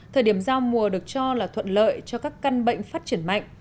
thời điểm giao mùa được cho là thuận lợi cho các căn bệnh phát triển mạnh